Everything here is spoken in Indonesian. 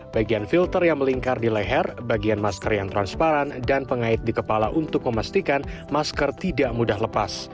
bagian filter yang melingkar di leher bagian masker yang transparan dan pengait di kepala untuk memastikan masker tidak mudah lepas